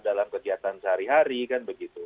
dalam kegiatan sehari hari kan begitu